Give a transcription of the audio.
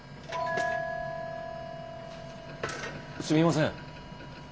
すみません。